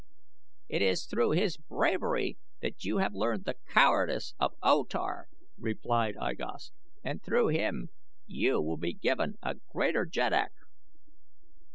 "It is through his bravery that you have learned the cowardice of O Tar," replied I Gos, "and through him you will be given a greater jeddak."